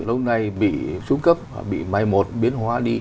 lúc này bị súng cấp bị mai một biến hóa đi